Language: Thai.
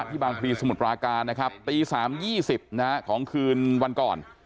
ที่บางทีสมุทรปราการนะครับตี๓๒๐ของคืนวันก่อน